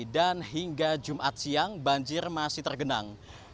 dan hingga jumat siang banjir masih tergenang